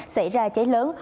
xảy ra cháy lớn